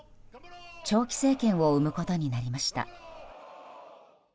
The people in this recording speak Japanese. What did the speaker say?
長期政権を生むことになりました。